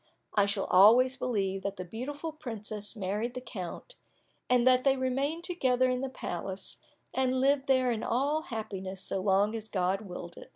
I shall always believe that the beautiful princess married the count, and that they remained together in the palace, and lived there in all happiness so long as God willed it.